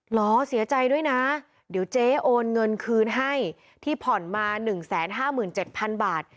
เหรอเสียใจด้วยนะเดี๋ยวเจ๊โอนเงินคืนให้ที่ผ่อนมา๑๕๗๐๐บาท